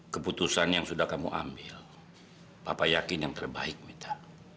keputusan yang sudah kamu ambil papa yakin yang terbaik minta